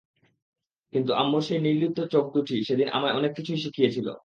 কিন্তু আম্মুর সেই নির্লিপ্ত চোখ দুটি সেদিন আমায় অনেক কিছুই শিখিয়েছিল।